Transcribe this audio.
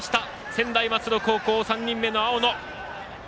専大松戸高校、３人目の青野。